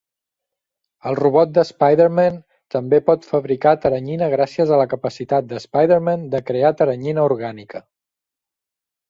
El robot d'Spider-Man també pot fabricar teranyina gràcies a la capacitat d'Spider-Man de crear teranyina orgànica.